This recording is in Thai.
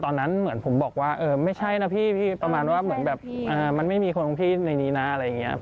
เหมือนผมบอกว่าเออไม่ใช่นะพี่ประมาณว่าเหมือนแบบมันไม่มีคนของพี่ในนี้นะอะไรอย่างนี้